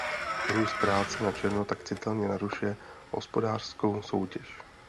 Růst práce na černo tak citelně narušuje hospodářskou soutěž.